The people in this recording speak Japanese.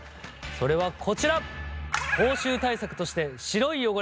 それはこちら！